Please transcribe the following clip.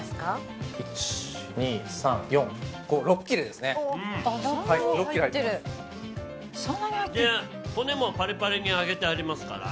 で骨もパリパリに揚げてありますから。